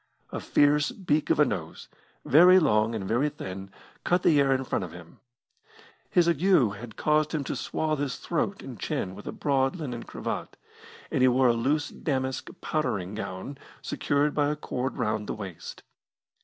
A fierce beak of a nose, very long and very thin, cut the air in front of him. His ague had caused him to swathe his throat and chin with a broad linen cravat, and he wore a loose damask powdering gown secured by a cord round the waist.